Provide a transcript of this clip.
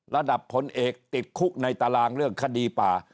ระดับพลเอกติดคุกในตารางเรื่องคดีป่า